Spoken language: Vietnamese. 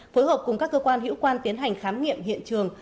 phối hợp cùng các cơ quan hữu quan tiến hành khám nghiệm hiện trường